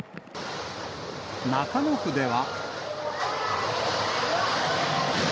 中野区では。